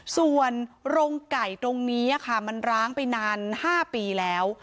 ส่วนโรงไก่ตรงนี้ค่ะมันร้างไปนาน๕ปีแล้ว